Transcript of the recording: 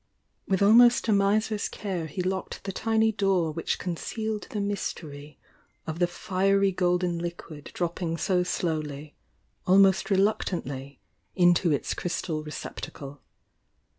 With almost a miser's care he locked the tiny door which concealed the mystery of the fiery golden liquid dropping so slowly, almost reluctantly, mto its crystal receptacle.